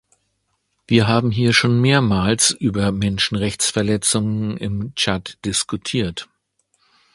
Wir haben hier schon mehrmals über Menschenrechtsverletzugen im Tschad diskutiert.